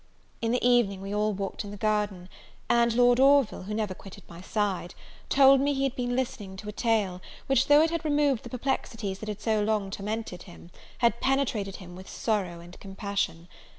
In the evening we all walked in the garden; and Lord Orville, who never quitted my side, told me he had been listening to a tale, which though it had removed the perplexities that had so long tormented him, had penetrated him with sorrow and compassion.